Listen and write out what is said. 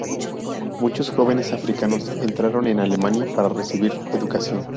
Muchos jóvenes africanos entraron en Alemania para recibir educación.